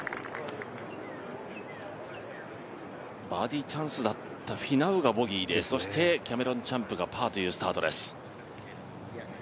バーディーチャンスだったフィナウがボギーでそしてキャメロン・チャンプがパーというスタートです。